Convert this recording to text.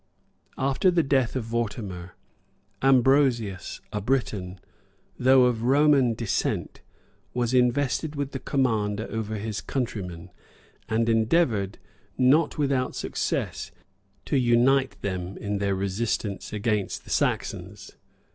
[] After the death of Vortimer, Ambrosius, a Briton, though of Roman descent, was invested with the command over his countrymen, and endeavored, not without success, to unite them in their resistance against the Saxons.